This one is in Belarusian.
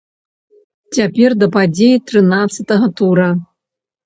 Цяпер да падзей трынаццатага тура!